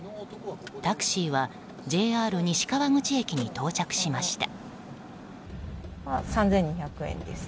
タクシーはＪＲ西川口駅に到着しました。